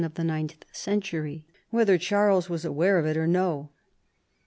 275 of the ninth century whether Charles was ware of it or no.